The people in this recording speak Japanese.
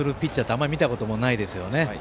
あんまり見たこともないですよね。